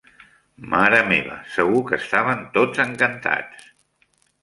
Mare meva, segur que estaven tots encantats!